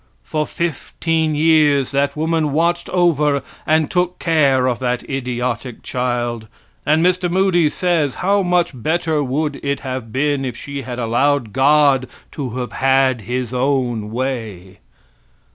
For fifteen years that woman watched over and took care of that idiotic child; and Mr. Moody says how much better would it have been if she had allowed God to have had his own way.